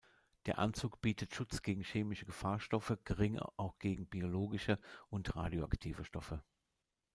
Der Anzug bietet Schutz gegen chemische Gefahrstoffe, gering auch gegen biologische und radioaktive Stoffe.